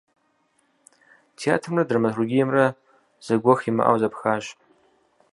Театрымрэ драматургиемрэ зэгуэх имыӀэу зэпхащ.